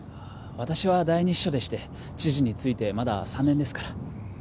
私は第二秘書でして知事に付いてまだ３年ですから。